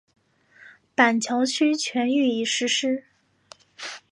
板桥区全域已实施。